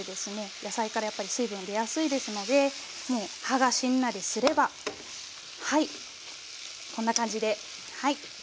野菜からやっぱり水分出やすいですのでもう葉がしんなりすればはいこんな感じではい。